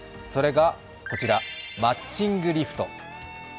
それがこちら、マッチングリフト。